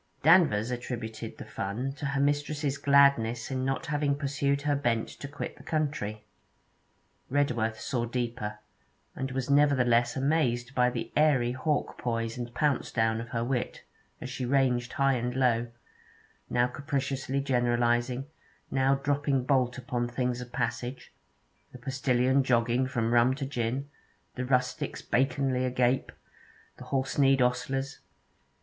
Danvers attributed the fun to her mistress's gladness in not having pursued her bent to quit the country. Redworth saw deeper, and was nevertheless amazed by the airy hawk poise and pounce down of her wit, as she ranged high and low, now capriciously generalizing, now dropping bolt upon things of passage the postillion jogging from rum to gin, the rustics baconly agape, the horse kneed ostlers.